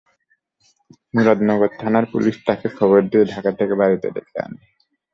মুরাদনগর থানার পুলিশ তাঁকে খবর দিয়ে ঢাকা থেকে বাড়িতে ডেকে আনে।